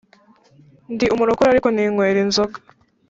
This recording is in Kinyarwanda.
Ndi umurokore ariko ninywera inzoga